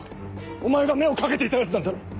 お前が目を掛けていたヤツなんだろ？